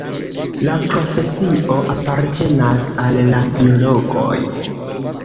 La profesio apartenas al la biologoj.